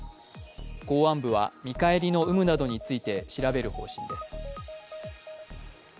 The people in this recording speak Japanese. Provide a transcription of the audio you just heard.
公安部は見返りの有無などについて調べる方針です。